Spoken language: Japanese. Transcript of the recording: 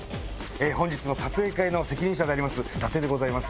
本日の撮影会の責任者伊達でございます。